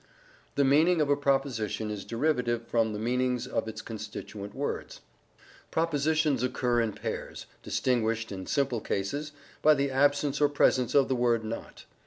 The meaning of a proposition is derivative from the meanings of its constituent words. Propositions occur in pairs, distinguished (in simple cases) by the absence or presence of the word "not."